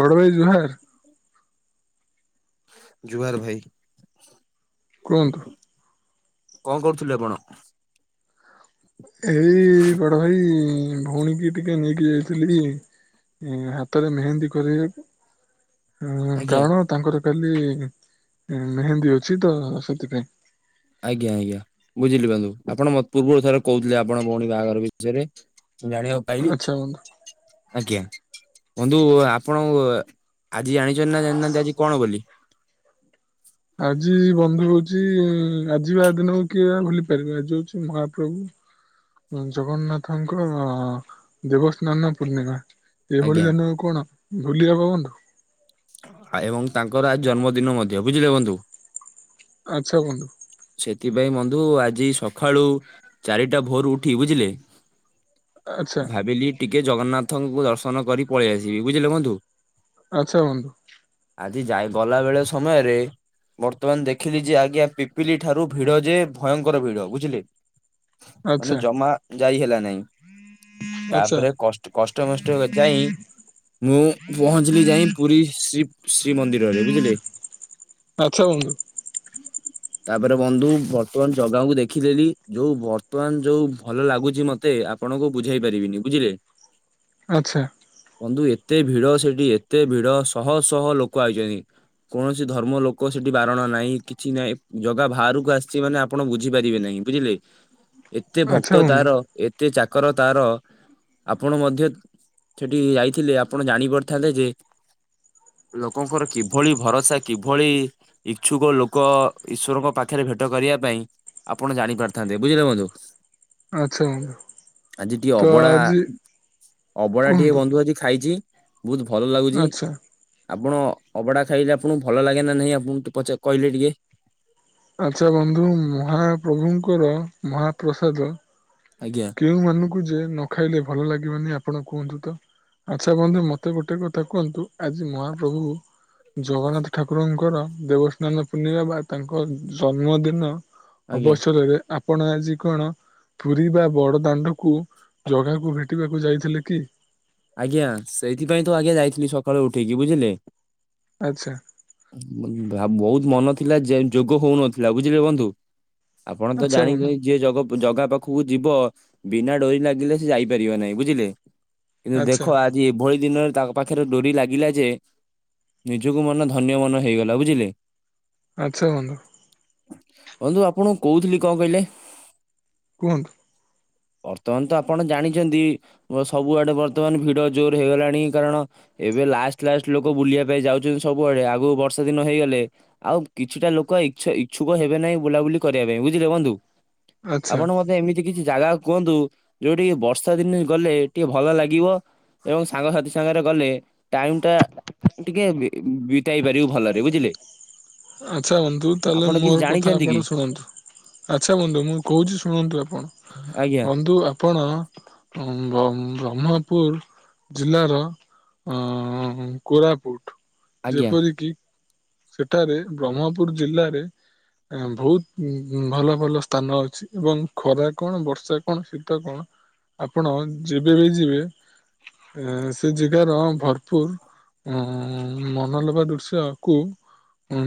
ବଡ଼ ଭାଇ ଜୁହାର। ଜୁହାର ଭାଇ। କୁହନ୍ତୁ। କଣ କରୁଥିଲେ ଆପଣ? ଏଇ ବଡ଼ ଭାଇ ଭଉଣୀକି ଟିକେ ନେଇକି ଯାଇଥିଲି। ଉ ହାତରେ ମେହେନ୍ଦୀ କରିବାକୁ। ହଁ ଆଜ୍ଞା କାରଣ ତାଙ୍କର କାଲି ଏ -ମେହେନ୍ଦୀ ଅଛି ତ ସେଥିପାଇଁ। ଆଜ୍ଞା ଆଜ୍ଞା ବୁଝିଲି ବାନ୍ଧୁ ଆପଣ ମତ୍ ପୂର୍ବରୁ ଥରେ କହୁଥିଲେ ଆପଣ ଭଉଣୀ ବାହାଘର ବିଷୟରେ। ମୁଁ ଜାଣିବାକୁ ପାଇଲି ଆଚ୍ଛା ବନ୍ଧୁ ଆଜ୍ଞା। ବନ୍ଧୁ ଆପଣ ଆଜି ଜାଣିଛନ୍ତି ନା ଜାଣିନାହାନ୍ତି ଆଜି କଣ ବୋଲି। ଆଜି ବନ୍ଧୁ ହଉଛି ଆଜିିବା ଦିନକୁ କିଏ ବା ଭୁଲି ପାରିବେ ଆଜି ହଉଛି ମହାପ୍ରଭୁ। ଅ - ଜଗନ୍ନାଥଙ୍କ ଦେବସ୍ନାନ ପୂର୍ଣ୍ଣିମା। ଏଇଭଳି ଆଜ୍ଞା ଧାନୁକୁ କଣ ଭୁଲିହବ ବନ୍ଧୁ। ଆ ଏବଂ ତାଙ୍କର ଆଜି ଜନ୍ମଦିନ ମଧ୍ୟ ବୁଝିଲେ ବଂଧୁ। ଆଚ୍ଛା ବନ୍ଧୁ। ସେଥିପାଇଁ ବନ୍ଧୁ ଆଜି ସଖାଳୁ। ଚାରିଟା ଭୋରୁ ଉଠି ବୁଝିଲେ। ଆଚ୍ଛା ଭାବିଲି ଟିକେ ଜଗନ୍ନାଥଙ୍କୁ ଦର୍ଶନ କରି ପଳେଇ ଆସିବି ବୁଝିଲେ ବନ୍ଧୁ। ଆଚ୍ଛା ବଂଧୁ। ଆଜି ଯାଇ ଗଲା ବେଳେ ସମୟରେ। ବର୍ତ୍ତମାନ ଦେଖିଲି ଯେ ଆଜ୍ଞା ପିପିଲି ଠାରୁ ଭିଡ ଯେ ଭୟଙ୍କର ଭିଡ ବୁଝିଲେ। ମାନେ ଆଚ୍ଛା ଜମା ଯାଇ ହେଲା ନାଇଁ। ଆଚ୍ଛା ତାପରେ କଷ୍ଟ କଷ୍ଟେ ମଷ୍ଟେ ଯାଇ ମୁଁ ପହଞ୍ଚିଲି ଯାଇ - ପୁରୀ ଶ୍ରୀ ଶ୍ରୀ ମନ୍ଦିରରେ ବୁଝିଲେ। ଆଚ୍ଛା ବନ୍ଧୁ ତାପରେ ବନ୍ଧୁ ବର୍ତ୍ତମାନ ଜଗାକୁ ଦେଖିଦେଲି ଯୋଉ ବର୍ତ୍ତମାନ ଯୋଉ ଭଲ ଲାଗୁଚି ମତେ। ଆପଣଙ୍କୁ ବୁଝାଇ ପାରିବିନି ବୁଝିଲେ। ଆଛା। ବନ୍ଧୁ ଏତେ ଭିଡ ସେଠି ଏତେ ଭିଡ ଶହ ଶହ ଲୋକ ଆଇଚନ୍ତି। କୌଣସି ଧର୍ମ ଲୋକ ସେଠି ବାରଣ ନାହିଁ କିଛି ନାଇଁ ଜଗା ବାହାରକୁ ଆସିଛି ମାନେ ଆ ଆପଣ ବୁଝିପାରିବେ ନାହିଁ ବୁଝିଲେ ଏତେ ଆଚ୍ଛା ଭକ୍ତ ବନ୍ଧୁ। ତାର ଏତେ ଚାକର ତାର। ଆପଣ ମଧ୍ୟ ସେଠି ଯାଇଥିଲେ ଆପଣ ଜାଣି ପାରିଥାନ୍ତେ ଯେ- ଲୋକଙ୍କର କିଭଳି ଭରସା କିଭଳି। ଇଚ୍ଛୁକ ଲୋକ ଇଶ୍ୱରଙ୍କ ପାଖରେ ଭେଟ କରିବା ପାଇଁ - ଆପଣ ଜାଣି ପାରିଥାନ୍ତେ ବୁଝିଲେ ବଂଧୁ ସ ଆଚ୍ଛା ବନ୍ଧୁ ଆଜି ଟିକେ ତ ଅବଢା- ଆଜି ଅବଢ଼ା ଟିକେ କୁହନ୍ତୁ ବଂଧୁ ଆଜି ଖାଇଚି ବହୁତ ଭଲ ଲାଗୁଛି। ଆଚ୍ଛା ଆପଣ ଅଭଡ଼ା ଖାଇଲେ ଆପଣଙ୍କୁ ଭଲ ଲାଗେ ନା ନାହିଁ ଆପ ଆପଣ ଙ୍କୁ ପଚା - କହିଲେ ଟିକେ। ଆଚ୍ଛା ବନ୍ଧୁ ମହାପ୍ରଭୁଙ୍କର ମହାପ୍ରସାଦ। ଆଜ୍ଞା। କେଉଁମାନଙ୍କୁ ଯେ ନ ଖାଇଲେ ଭଲ ଲାଗିବନି ଆପଣ କୁହନ୍ତୁ ତ। ଆଚ୍ଛା ବନ୍ଧୁ ମତେ ଗୋଟେ କଥା କୁହନ୍ତୁ ଆଜି ମହାପ୍ରଭୁ ଜଗନ୍ନାଥ ଠାକୁରଙ୍କର ଦେବସ୍ନାନ ପୂର୍ଣ୍ଣିମା ବା ତାଙ୍କ ଜନ୍ମଦିନ ଆଜ୍ଞା ଅବସରରେ ଆପଣ ଆଜି କଣ ପୁରୀ ବା ବଡ ଦାଣ୍ଡକୁ ଜଗାକୁ ଭେଟିବାକୁ ଯାଇଥିଲେ କି? ଆଜ୍ଞା ସେଇଥିପାଇଁ ତ ଆଜ୍ଞା ଯାଇଥିଲି ସଖାଳୁ ଉଠିକି ବୁଝିଲେ। ଆଚ୍ଛା। ଆ ବହୁତ ମନ ଥିଲା ଯେ ଯୋଗ ହଉ ନଥିଲା ବୁଝିଲେ ବଂଧୁ। ଆପଣ ତ ଆଚ୍ଛା ଜାଣି ବନ୍ଧୁ ଯିଏ ଜଗ ଜଗା ପାଖକୁ ଯିବ ବିନା ଡୋରି ଲାଗିଲେ ସେ ଯାଇପାରିବନାହିଁ ବୁଝିଲେ। କିନ୍ତୁ ଆଚ୍ଛା ଦେଖ ଆଜି ଏଭଳି ଦିନରେ ତାଙ୍କ ପାଖରେ ଡୋରି ଲାଗିଲା ଯେ ନିଜକୁ ମନ ଧନ୍ୟ ମନ ହେଇଗଲା ବୁଝିଲେ। ଆଚ୍ଛା ବନ୍ଧୁ। ବନ୍ଧୁ ଆପଣକୁ କହୁଥିଲି କଣ କହିଲେ କୁହନ୍ତୁ। ବର୍ତ୍ତମାନ ତ ଆପଣ ଜାଣିଛନ୍ତି ସବୁଆ ଡ଼େ ବର୍ତ୍ତମାନ ଭିଡ ଜୋର ହେଇଗଲାଣି କାରଣ ଏବେ ଲାଷ୍ଟ ଲାଷ୍ଟ ଲୋକ ବୁଲିବା ପାଇଁ ଯାଉଚନ୍ତି ସବୁଆଡେ। ଆଗକୁ ବର୍ଷା ଦିନ ହେଇଗଲେ ଆଉ କିଛିଟା ଲୋକ ଇଛା ଇଛୁକ ହେବେ ନାହିଁ ବୁଲାବୁଲି କରିବା ପାଇଁ ବୁଝିଲେ ବନ୍ଧୁ। ଆଚ୍ଛା ଆପଣ ମତେ ଏମିତି କିଛି ଜାଗା କୁହନ୍ତୁ ଯୋଉଠିକି ବର୍ଷା ଦିନେ ଗଲେ ଟିକେ ଭଲ ଲାଗିବ। ଏବଂ ସାଙ୍ଗସାଥି ସାଙ୍ଗରେ ଗଲେ ଟାଇମ୍ ଟା ଟିକେ ବିତାଇ ପାରିବୁ ଭଲରେ ବୁଝିଲେ। ଆଛା ବାନ୍ଧୁ ତାହେଲେ ଆପଣ କିଛି ମୋର କଥା ଜାଣିଛନ୍ତି କି? ଆପଣ ଶୁଣନ୍ତୁ। ଆଚ୍ଛା ବନ୍ଧୁ ମୁଁ କହୁଛି ଶୁଣନ୍ତୁ ଆପଣ। ଆଜ୍ଞା। ବନ୍ଧୁ ଆପଣ ବ୍ରହ୍ମପୁର ଜିଲ୍ଲାର ଅ କୋରାପୁଟ ଆଜ୍ଞା ଯେପରିକି ସେଠାରେ ବ୍ରହ୍ମପୁର ଜିଲ୍ଲାରେ ବହୁତ ଭଲ ଭଲ ସ୍ଥାନ ଅଛି। ଏବଂ ଖରା କଣ ବର୍ଷା କଣ ଶୀତ କଣ ଆପଣ ଯେବେ ବି ଯିବେ ଏ ସେ ଜାଗାର ଭରପୁର ଉ ମନଲୋଭା ଦୃଶ୍ୟ କୁ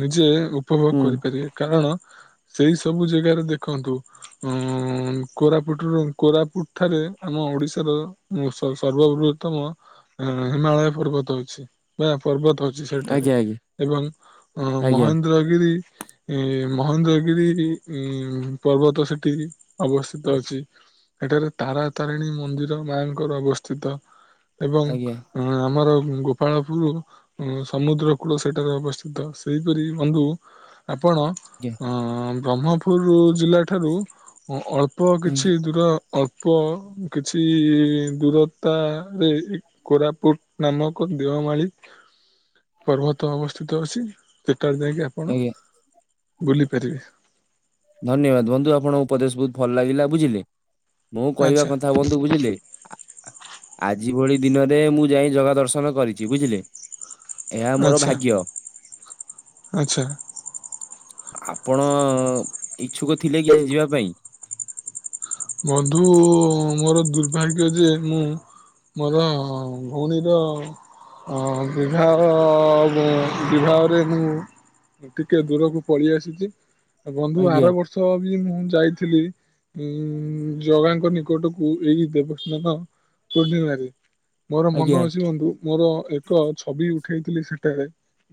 ନିଜେ ଉପଭୋଗ ହୁଁ କରିପାରିବେ। କାରଣ ସେଇ ସବୁ ଜାଗାରେ ଦେଖନ୍ତୁ। ଅ କୋରାପୁଟରୁ କୋରାପୁଟ ଠାରେ ଆମ ଓଡିଶାର ଉଁ ସର୍ବବୃହତ୍ତମ ହିମାଳୟ ପର୍ବତ ଅଛି। ବା ପର୍ବତ ଅଛି ସେଠାରେ। ଆଜ୍ଞା ଆଜ୍ଞା ଏବଂ ଆଜ୍ଞା। ମହେନ୍ଦ୍ରଗିରି ଏ ମହେନ୍ଦ୍ରଗିରି ଉ ପର୍ବତ ସେଠି ଅବସ୍ଥିତ ଅଛି। ଏଠାରେ ତାରା ତାରିଣୀ ମନ୍ଦିର ମାଙ୍କର ଅବସ୍ଥିତ। ଏବଂ ଆଜ୍ଞା ଆମର ଗୋପାଳପୁର ସମୁଦ୍ର କୂଳ ସେଠାରେ ଅବସ୍ଥିତ ସେହିପରି ବନ୍ଧୁ ଆପଣ ଆଜ୍ଞା ବ୍ରହ୍ମ ପୁର ଜିଲ୍ଲାଠାରୁ ଅଳ୍ପ ଆଜ୍ଞା କିଛି ଦୂର ଅଳ୍ପ କିଛି ଦୂରତାରେ କୋରାପୁଟ ନାମକ ଦେଓମାଳିୀ ପର୍ବତ ତ ଅବସ୍ଥିତ ଅଛି ସେଟାରେ ଯାଇକି ଆପଣ ଆଜ୍ଞା ବୁଲି ପାରିବେ। ଧନ୍ୟବାଦ ବନ୍ଧୁ ଆପଣଙ୍କ ଉପଦେଶ ବହୁତ ଭଲ ଲାଗିଲା ବୁଝିଲେ। ମୁଁ କହିବା ଆଚ୍ଛା କଥା ବନ୍ଧୁ ବୁଝିଲେ ଆଜି ଭଳି ଦିନରେ ମୁଁ ଯାଇ ଜଗା ଦର୍ଶନ କରିଛି ବୁଝିଲେ। ଏହା ମୋର ଆଚ୍ଛା ଭାଗ୍ୟ। ଆଚ୍ଛା ଆପଣ ଇଚ୍ଛୁକ ଥିଲେ କି ଯିବା ପାଇଁ? ବନ୍ଧୁ ମୋର ଦୁର୍ଭାଗ୍ୟ ଯେ ମୁଁ ମୋର ଭଉଣୀର ଅ ବିବାହର ବିବାହରେ ମୁଁ ଟିକେ ଦୂରକୁ ପଳେଇ ଆସିଛି ବନ୍ଧୁ ଆଜ୍ଞା ଆର ବର୍ଷ ବି ମୁଁ ଯାଇଥିଲି। ଉ ଜଗାଙ୍କ ନିକଟକୁ ଏଇ ଦେବସ୍ନାନ ପୂର୍ଣ୍ଣିମାରେ ମୋର ମନ ଆଜ୍ଞା ଅଛି ବୁନ୍ଧୁ ମୋର ଏକ ଛବି ଉଠେଇଥିଲି ସେଠାରେ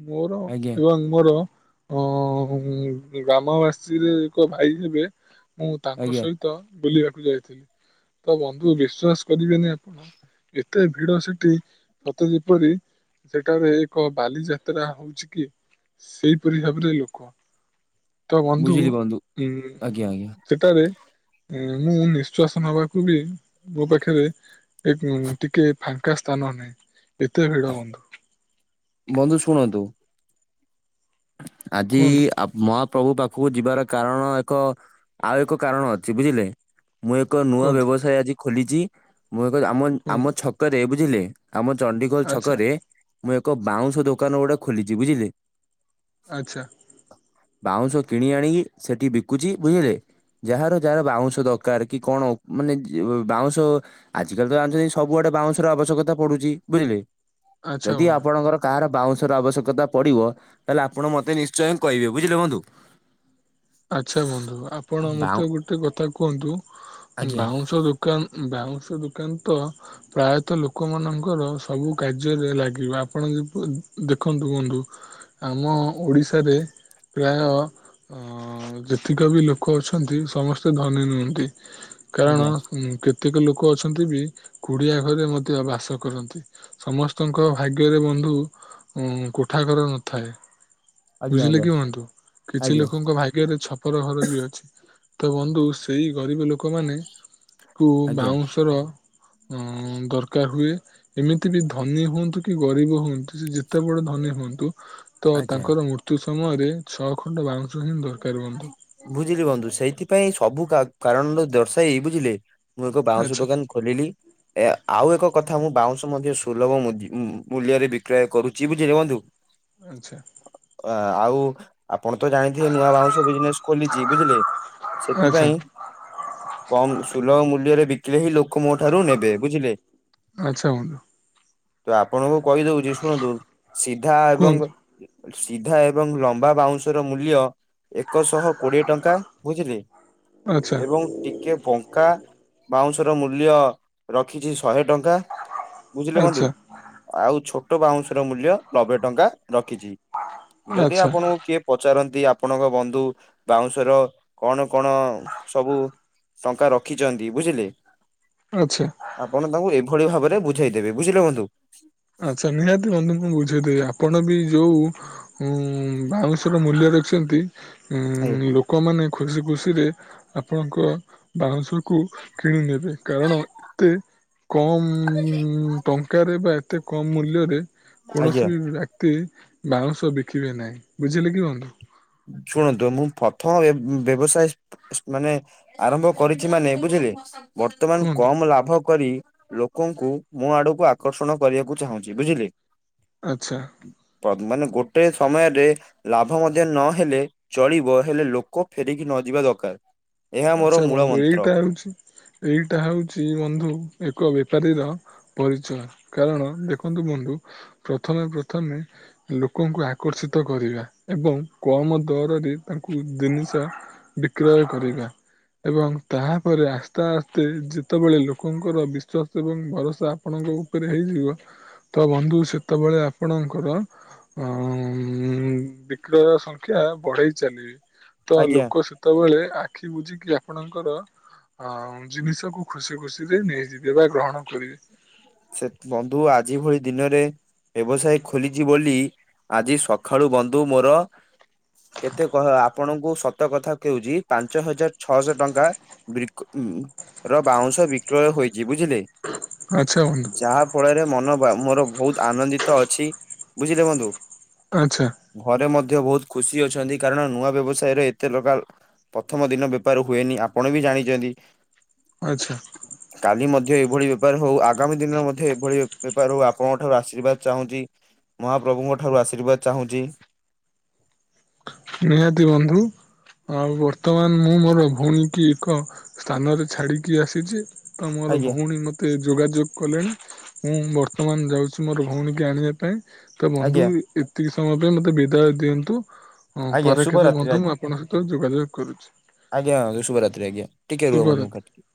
ମୋର ଆଜ୍ଞା ଏବଂ ମୋର ଗ୍ରାମବାସୀର ଏକ ଭାଇ ହେବେ। ମୁଁ ତାଙ୍କ ଆଜ୍ଞା ସହିତ ବୁଲିବାକୁ ଯାଇଥିଲି ତ ବନ୍ଧୁ ବିଶ୍ୱାସ କରିବେନି ଆପଣ ଏତେ ଭିଡ ସେଠି ସତେ ଯେପରି ସେଠାରେ ଏକ ବାଲିଯାତ୍ରା ହଉଛି କି? ସେଇପରି ଭାବରେ ଲୋକ ତ ବନ୍ଧୁ ଉଁ ଆଜ୍ଞା ଆଜ୍ଞା ସେଠାରେ ମୁଁ ନିଃଶ୍ଵାସ ନବାକୁ ବି ମୋ ପାଖରେ ଟିକେ ଫାଙ୍କା ସ୍ଥାନ ନାହିଁ ଏତେ ଭିଡ଼ ବନ୍ଧୁ। ବନ୍ଧୁ ଶୁଣନ୍ତୁ। ଆଜି କୁହନ୍ତୁ ମହାପ୍ରଭୁ ପାଖକୁ ଯିବାର କାରଣ ଏକ ଆଉ ଏକ କାରଣ ଅଛି ବୁଝିଲେ ମୁଁ ଏକ ଏକ ନୂଆ କୁହନ୍ତୁ ବ୍ୟବସାୟ ଆଜି ଖୋଲିଛି ମୁଁ ଏକ ଆମ କୁହନ୍ତୁ ଆମ ଛକରେ ବୁଝିଲେ ଆମ ଚଣ୍ଡିଖୋଲ ଆଚ୍ଛା ଛକରେ ମୁଁ ଏକ ବାଉଁଶ ଦୋକାନ ଗୁଟେ ଖୋଲିଛି ବୁଝିଲେ। ଆଚ୍ଛା ବାଉଁଶ କିଣି ଆଣିକି ସେଠି ବିକୁଛି ବୁଝିଲେ। ଯାହାର ଯାହାର ବାଉଁଶ ଦରକାର କି କଣ ମାନେ ବାଉଁଶ। ଆଜିିକାଲି ତ ଜାଣିଛନ୍ତି ସବୁଆଡ଼େ ବାଉଁଶର ଆବଶ୍ୟକତା ପଡ଼ୁଛି ବୁଝିଲେ। ଆଚ୍ଛା ଯଦି ବନ୍ଧୁ ଆପଣଙ୍କର କାହାର ବାଉଁଶ ର ଆବଶ୍ୟକତା ପଡି଼ବ। ତାହେଲେ ଆପଣ ମତେ ନିଶ୍ଚୟ କହିବେ ବୁଝିଲେ ବନ୍ଧୁ। ଆଚ୍ଛା ବନ୍ଧୁ ଆପଣ ବାଉଁ ମତେ ଗୁଟେ କଥା କୁହନ୍ତୁ ଆଜ୍ଞା। ବାଉଁଶ ଦୋକ କାନ୍ ବାଉଁଶ ଦୋକାନ ତ ପ୍ରାୟତଃ ଲୋକ ମାନଙ୍କର ସବୁ କାର୍ଯ୍ୟରେ ଲାଗିବ ଆପଣ ଦେଖନ୍ତୁ କୁହନ୍ତୁ। ଆମ ଓଡିଶାରେ ପ୍ରାୟ ଅ ଯେତିକ ବି ଲୋକ ଅଛନ୍ତି ସମସ୍ତେ ଧନୀ ନୁଅନ୍ତି କାରଣ ଆଜ୍ଞା କେତେକ ଲୋକ ଅଛନ୍ତି ବି କୁଡି଼ଆ ଘରେ ମଧ୍ୟ ବାସ କରନ୍ତି। ସମସ୍ତଙ୍କ ଭାଗ୍ୟରେ ବନ୍ଧୁ ଉ କୋଠାଘର ନଥାଏ। ଆଜ୍ଞା ବୁଝିଲେ ଆଜ୍ଞା କି ବନ୍ଧୁ କିଛି ଆଜ୍ଞା। ଲୋକ ଭାଗ୍ୟରେ ଛପର ଘର ବି ଅଛି ତ ବନ୍ଧୁ ସେଇ ଗରିବ ଲୋକ। ଲୋକ ମାନ କୁ ଆଜ୍ଞା ବାଉଁଶର ଅ ଦରକାର ହୁଏ ଏମିତି ବି ଧନୀ ହୁଅନ୍ତୁ କି ଗରିବ ହୁଅନ୍ତୁ ସେ ଯେ ତେ ବଡ଼ ଧନୀ ହୁଅନ୍ତୁ ତ ଆଜ୍ଞା ତାଙ୍କର ମୃତ୍ୟୁ ସମୟରେ ଛଅ ଖଣ୍ଡ ବାଉଁଶ ଦରକାର ବନ୍ଧୁ। ବୁଝିଲି ବନ୍ଧୁ ସେଇଥିପାଇଁ ସବୁ କାରଣର ଦର୍ଶାଇ ବୁଝିଲେ ମୁଁ ଏକ ବାଉଁଶ ଆଚ୍ଛା ଦୋକାନ ଖୋଲିଲି। ଏ ଆଉ ଏକ କଥା ମୁଁ ବାଉଁଶ ମଧ୍ୟ ସୁଲଭ ମୂଲ୍ୟରେ ବିକ୍ରୟ କରୁଛି ବୁଝିଲେ ବନ୍ଧୁ। ଆଚ୍ଛା। ଆ ଆଉ ଆପଣ ତ ଜାଣିଥିବେ ନୂଆ ବାଉଁଶ ବିଜନେସ ଖୋଲିଛି ବୁଝିଲେ। ଆଚ୍ଛା ସେଥିପାଇଁ କମ ସୁଲଭ ମୂଲ୍ୟରେ ବିକିଲେ ହିଁ ଲୋକ ମୋ ଠାରୁ ନେବେ ବୁଝିଲେ। ଆଚ୍ଛା ବନ୍ଧୁ। ତ ଆପଣଙ୍କୁ କହିଦଉଛି ଶୁଣନ୍ତୁ ସିଧା ଏବଂ କୁହନ୍ତୁ ସିଧା ଏବଂ ଲମ୍ବା ବାଉଁଶର ମୂଲ୍ୟ ଏକ ଶହ କୋଡିଏ ଟଙ୍କା ବୁଝିଲେ ଆଚ୍ଛା ଏବଂ ଟି ଟିକେ ବଙ୍କା ବାଉଁଶର ମୂଲ୍ୟ ରଖିଛି ଶହେ ଟଙ୍କା ବୁଝିଲେ ବନ୍ଧୁ ଆଚ୍ଛା ଆଉ ଛୋଟ ବାଉଁଶ ର ମୂଲ୍ୟ ନବେ ଟଙ୍କା ରଖିଚି। ଯଦି ଆଚ୍ଛା ଆପଣଙ୍କୁ କିଏ ପଚାରନ୍ତି ଆପ ଆପଣଙ୍କ ବନ୍ଧୁ ବାଉଁଶର କଣ କଣ ସବୁ ଟଙ୍କା ରଖିଛନ୍ତି ବୁଝିଲେ। ଆଛା। ଆପଣ ତାଙ୍କୁ ଏଇଭଳି ଭାବରେ ବୁଝେଇଦେବେ ବୁଝିଲେ ବନ୍ଧୁ। ଆଚ୍ଛା ନିହାତି ବନ୍ଧୁ ମୁଁ ବୁଝେଇଦେବି ଆପଣ ବି ଯୋଉ ଉଁ ବାଉଁଶ ର ମୂଲ୍ୟ ରଖିଛନ୍ତି ଉଁ ଆଜ୍ଞା ଲୋକମାନୋନ ଖୁସି ଖୁସିରେ ଆପଣଙ୍କ ବାଉଁଶ କୁ କିଣି ନେବେ କାରଣ ଏତେ କମ ଟଙ୍କାରେ ବା ଏତେ କମ ମୂଲ୍ୟରେ ଆଜ୍ଞା କୌଣସି ବି ଏତେ ବାଉଁଶ ବିକିବେ ନାହିଁ ବୁଝିଲେ କି ବନ୍ଧୁ। ଶୁଣନ୍ତୁ ମୁଁ ପ୍ରଥମ ରେ ବ୍ୟବସାୟ ମାନେ ଆରମ୍ଭ କରିଛି ମାନେ ବୁଝିଲେ ବର୍ତ୍ତମାନ କୁହନ୍ତୁ କମ ଲାଭ କରି ଲ ଲୋକଙ୍କୁ ମୋ ଆଡକୁ ଆକର୍ଷଣ କରିବାକୁ ଚାହୁଁଛି ବୁଝିଲେ। ଆଛା। ମାନେ ଗୋଟେ ସମୟରେ ଲାଭ ମଧ୍ୟ ନହେଲେ ଚଳିବ ହେଲେ ଲୋକ ଫେରିକି ନଯିବା ଦରକାର। ଏହା ମୋର ଆଚ୍ଛା ମୂଳ ବନ୍ଧୁ ମନ୍ତ୍ର ଏଇଟା ହଉଛି ଏଇଟା ହଉଛି ବନ୍ଧୁ ଏକ ବେପାରୀର ପରିଚୟ କାରଣ ଦେଖନ୍ତୁ ବନ୍ଧୁ ପ୍ରଥମେ ପ୍ରଥମେ ଲୋକଙ୍କୁ ଆକର୍ଷିତ କରିବା ଏବଂ କମ୍ ଦରରେ ତାଙ୍କୁ ଜିନିଷ ବିକ୍ରୟ କରିବା। ଏବଂ ତାପରେ ଆସ୍ତେ ଆସ୍ତେ ଯେତେବେଳେ ଲୋକଙ୍କର ବିଶ୍ୱାସ ଏବଂ ଭରସା ଆପଣଙ୍କ ଉପରେ ହେଇଯିବ ତ ବନ୍ଧୁ ସେତେବେଳେ ଆପଣଙ୍କର ହଁ ବିକ୍ରୟ ସଂଖ୍ୟା ବଢେଇ ଚାଲିବେ ତ ଆଜ୍ଞା ଲୋକ ସେତେବେଳେ ଆଖି ବୁଝିକି ଆପଣଙ୍କର ଅ ଜିନିଷକୁୁ ଖୁସି ଖୁସିରେ ନେଇଯିବେ ବା ଗ୍ରହଣ କରିବେ। ସେ ବନ୍ଧୁ ଆଜି ଭଳି ଦିନରେ ବ୍ୟବସାୟ ଖୋଲିଛି ବୋଲି ଆଜି ସକାଳୁ ବନ୍ଧୁ ମୋର କେତେ କହ ଆପଣଙ୍କୁ ସତ କଥା କହୁଛି ପାଞ୍ଚ ହଜାର ଛଅଶହ ଟଙ୍କା ର ବାଉଁଶ ବିକ୍ରୟ ହୋଇଛି ବୁଝିଲେ। ଆଚ୍ଛା। ବନ୍ଧୁ ଯାହା ଫଳରେ ମନ ମୋର ବହୁତ ଆନନ୍ଦିତ ଅଛି ବୁଝିଲେ ବନ୍ଧୁ। ଆଚ୍ଛା। ଘରେ ମଧ୍ୟ ବହୁତ ଖୁସି ଅଛନ୍ତି କାରଣ ନୂଆ ବ୍ୟବସାୟରେ ଏତେ ଲଗା ପ୍ରଥମ ଦିନ ବେପାର ହୁଏନି ଆପଣ ବି ଜାଣିଛନ୍ତି। ଆଛା। କାଲି ମଧ୍ୟ ଏଇଭଳି ବେପାର ହଉ, ଆ ଆଗାମୀ ଦିନରେ ମଧ୍ୟ ଏଭଳି ବେପାର ହଉ, ଆପଣଙ୍କ ଠାରୁ ଆଶୀର୍ବାଦ ଚାହୁଁଚି। ମହାପ୍ରଭୁଙ୍କ ଠାରୁ ଆଶୀର୍ବାଦ ଚାହୁଁଚି। ନିହାତି ବନ୍ଧୁ। ଆଉ ବର୍ତ୍ତମାନ ମୁଁ ମୋର ଭଉଣୀ କି ଏକ ସ୍ଥାନରେ ଛାଡିକି ଆସିଚି। ତ ମୋର ଆଜ୍ଞା ଭଉଣୀ ମତେ ମତେ ଯୋଗାଯୋଗ କଲେଣି, ମୁଁ ବର୍ତ୍ତମାନ ଯାଉଚି ମୋର ଭଉଣୀକୁ ଆଣିବା ପାଇଁ ତ ବନ୍ଧୁ, ଆଜ୍ଞା ଏତିକି ସମୟ ପାଇଁ ମତେ ବିଦାୟ ଦିଅନ୍ତୁ। ହଁ, ଆଜ୍ଞା ପରେ କେବେ ଶୁଭରାତ୍ରି ବନ୍ଧୁ ମୁଁ ଆଜ୍ଞା। ଆପଣଙ୍କ ସହିତ ଯୋଗାଯୋଗ କରୁଚି। ଆଜ୍ଞା ବନ୍ଧୁ, ଶୁଭରାତ୍ରି ଆଜ୍ଞା, ଟିକେ ରୁହ ବନ୍ଧୁ ମୁଁ କାଟୁଚି।